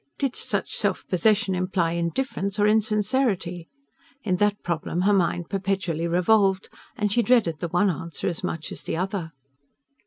Did such self possession imply indifference or insincerity? In that problem her mind perpetually revolved; and she dreaded the one answer as much as the other.